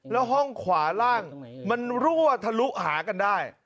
แล้วห้องขวาล่างมันรั่วทะลุหากันได้